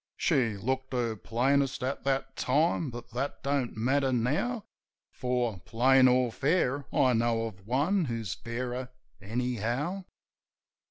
She looked her plainest at that time; but that don't matter now; For, plain or fair, I know of one who's fairer, anyhow.